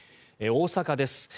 大阪です。